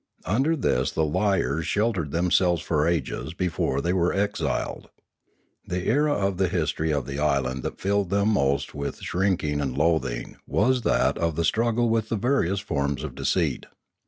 Under this the liars shel tered themselves for ages before they were exiled. The era of the history of the island that filled them most with shrinking and loathing was that of the struggle with the various forms of deceit.